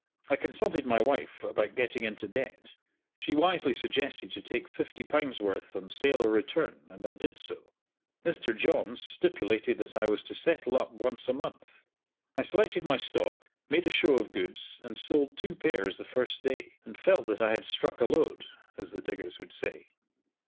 I consulted my wife about getting into debt. She wisely suggested to take fifty pounds worth on sale or return, and I did so. Mr Johns stipulated that I was to settle up once a month. I selected my stock, made a show of goods, and sold two pairs the first day, and felt that I had struck a lode, as the diggers would say.